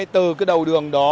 từ cái đầu đường đó